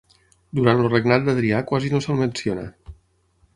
Durant el regnat d'Adrià quasi no se'l menciona.